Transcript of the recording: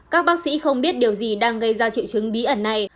các bác sĩ không biết điều gì đang gây ra triệu chứng bí ẩn này